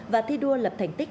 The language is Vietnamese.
và thi đua lập thành tích